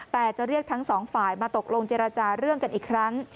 แต่จะเรียกทั้งสองฝ่ายมาตกลงเจรจาเรื่องกันอีกครั้ง